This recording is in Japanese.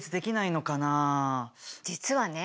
実はね